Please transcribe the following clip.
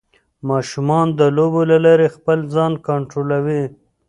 ماشومان د لوبو له لارې خپل ځان کنټرولوي.